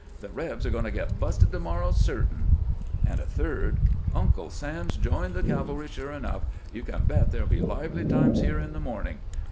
The rebs are going to get bu'sted to morrow, certain "; and a third :" Uncle Sam 's joined the cavalry sure enough. You can bet there 'U be lively times here in the morning."